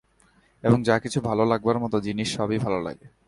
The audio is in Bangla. এবং যা কিছু ভালো লাগবার মতো জিনিস সবই ভালো লাগে।